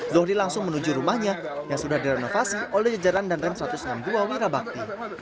zohri langsung menuju rumahnya yang sudah direnovasi oleh jajaran dan rem satu ratus enam puluh dua wirabakti